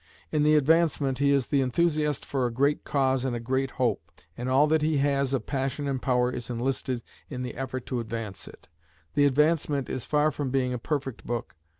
In the Advancement he is the enthusiast for a great cause and a great hope, and all that he has of passion and power is enlisted in the effort to advance it. The Advancement is far from being a perfect book.